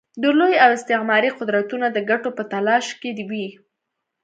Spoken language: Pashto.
د لوی او استعماري قدرتونه د ګټو په تلاښ کې وي.